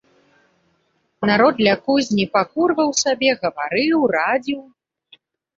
Народ ля кузні пакурваў сабе, гаварыў, радзіў.